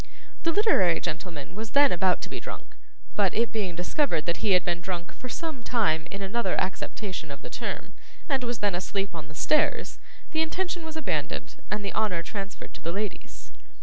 The literary gentleman was then about to be drunk, but it being discovered that he had been drunk for some time in another acceptation of the term, and was then asleep on the stairs, the intention was abandoned, and the honour transferred to the ladies.